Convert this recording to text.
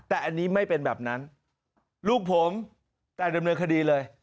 แต่อันนี้ไม่เป็นแบบนั้นลูกผมได้เริ่มเนื้อคดีเลย